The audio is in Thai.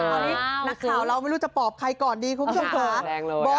ตอนนี้นักข่าวเราไม่รู้จะปอบใครก่อนดีคุณผู้ชมค่ะ